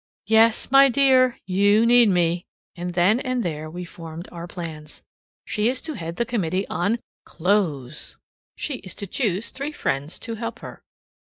"Yes, my dear, you need me." And then and there we formed our plans. She is to head the committee on C L O T H E S. She is to choose three friends to help her.